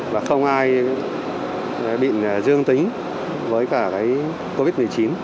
và không ai bị dương tính với cả covid một mươi chín